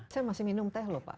saya masih minum teh lho pak